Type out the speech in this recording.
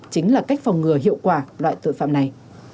chính là cách phòng ngừa hiệu quả loại tội phạm này